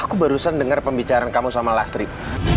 aku barusan dengar pembicaraan kamu sama lastrip